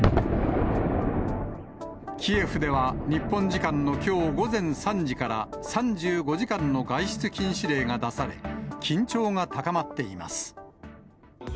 キエフでは、日本時間のきょう午前３時から３５時間の外出禁止令が出され、緊張が高まっています。